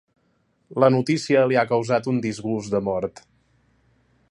La notícia li ha causat un disgust de mort.